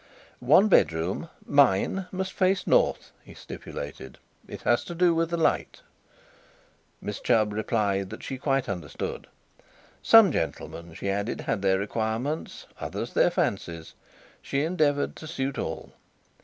"One bedroom, mine, must face north," he stipulated. "It has to do with the light." Miss Chubb replied that she quite understood. Some gentlemen, she added, had their requirements, others their fancies. She endeavoured to suit all.